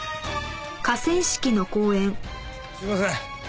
すいません。